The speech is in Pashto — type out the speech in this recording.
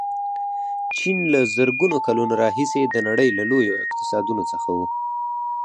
چین له زرګونو کلونو راهیسې د نړۍ له لویو اقتصادونو څخه و.